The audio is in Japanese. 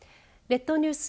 列島ニュース